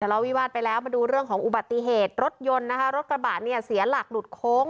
เราวิวาสไปแล้วมาดูเรื่องของอุบัติเหตุรถยนต์นะคะรถกระบะเนี่ยเสียหลักหลุดโค้ง